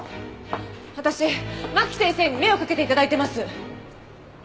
私牧先生に目をかけて頂いてます。